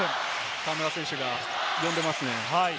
河村選手が呼んでますね。